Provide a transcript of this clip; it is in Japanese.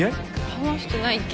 話してないっけ？